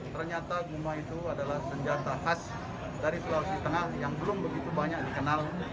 ternyata guma itu adalah senjata khas dari sulawesi tengah yang belum begitu banyak dikenal